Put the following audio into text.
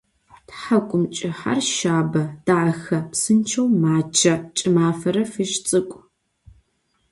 Thak'umç'ıher şsabe, daxe, psınç'eu maççe, ç'ımafere fıj ts'ık'u.